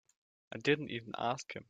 I didn't even ask him.